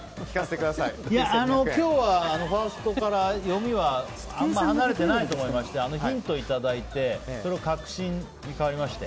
今日はファーストから読みはあんまり離れてないと思いましてヒントをいただいてそれが確信に変わりまして。